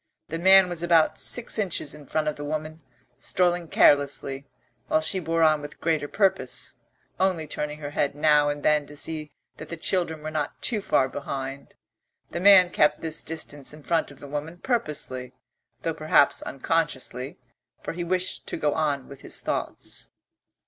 The man was about six inches in front of the woman, strolling carelessly, while she bore on with greater purpose, only turning her head now and then to see that the children were not too far behind. The man kept this distance in front of the woman purposely, though perhaps unconsciously, for he wished to go on with his thoughts.